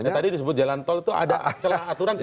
tadi disebut jalan tol itu ada celah aturan tidak